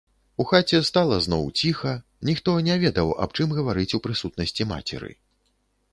У хаце стала зноў ціха, ніхто не ведаў, аб чым гаварыць у прысутнасці мацеры.